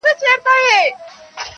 • د ځناورو له خاندان دی -